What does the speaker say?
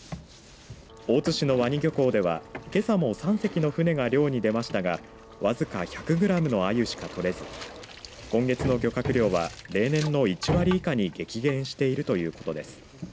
大津市の和邇漁港では、けさも３隻の船が漁に出ましたが僅か１００グラムのあゆしか取れず今月の漁獲量は例年の１割以下に激減しているということです。